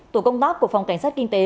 tổ công tác của phòng cảnh sát kinh tế